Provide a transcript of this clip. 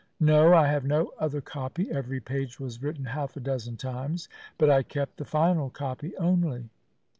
No, I have no other copy. Every page was written half a dozen times, but I kept the final copy only."